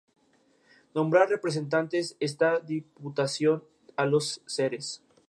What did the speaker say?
Por dicho estatus de aislados y recluidos, se les apodaba "exiles".